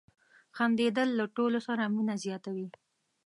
• خندېدل له ټولو سره مینه زیاتوي.